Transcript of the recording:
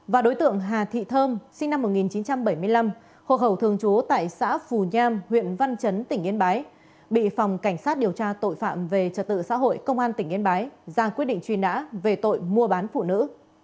và đối tượng hà thị thơm sinh năm một nghìn chín trăm bảy mươi năm hộ khẩu thường trú tại xã phù nham huyện văn chấn tỉnh yên bái bị phòng cảnh sát điều tra tội phạm về trật tự xã hội công an tỉnh yên bái ra quyết định truy nã về tội mua bán phụ nữ